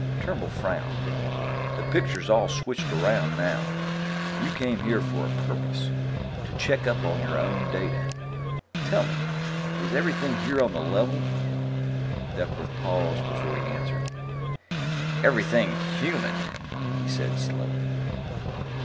Turnbull frowned. "The picture's all switched around now. You came here for a purpose to check up on your own data. Tell me, is everything here on the level?" Duckworth paused before he answered. "Everything human," he said slowly.